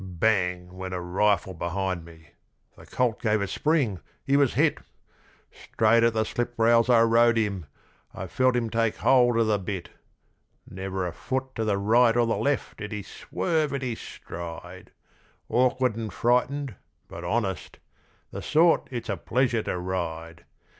Bang went a rifle behind me the colt gave a spring, he was hit; Straight at the sliprails I rode him I felt him take hold of the bit; Never a foot to the right or the left did he swerve in his stride, Awkward and frightened, but honest, the sort it's a pleasure to ride!